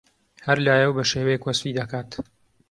هەر لایەو بەشێوەیەک وەسفی دەکات